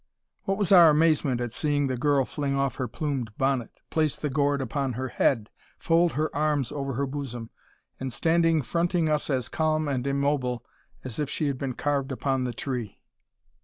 What was our amazement at seeing the girl fling off her plumed bonnet, place the gourd upon her head, fold her arms over her bosom, and standing fronting us as calm and immobile as if she had been carved upon the tree!